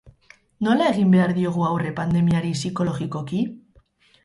Nola egin behar diogu aurre pandemiari psikologikoki?